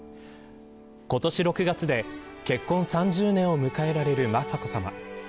今年６月で、結婚３０年を迎えられる雅子さま。